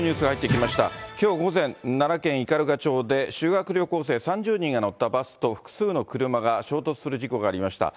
きょう午前、奈良県斑鳩町で、修学旅行生３０人が乗ったバスと複数の車が衝突する事故がありました。